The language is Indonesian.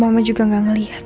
mama juga gak ngeliat